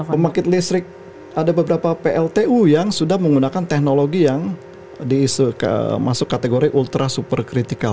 pembangkit listrik ada beberapa pltu yang sudah menggunakan teknologi yang masuk kategori ultra super critical